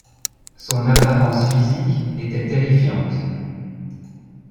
Son apparence physique était terrifiante.